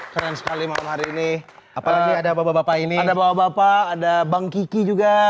keren sekali malam hari ini apalagi ada bapak bapak ini ada bapak bapak ada bang kiki juga